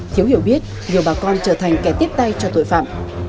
thiếu hiểu biết nhiều bà con trở thành kẻ tiếp tay cho tội phạm